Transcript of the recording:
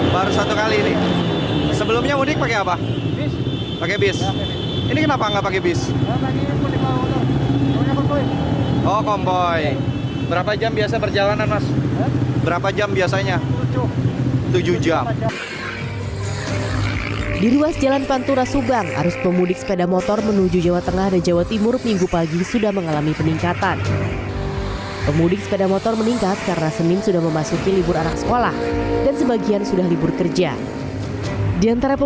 pemudik sepeda motor